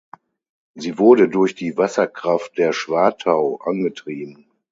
Sie wurde durch die Wasserkraft der Schwartau angetrieben.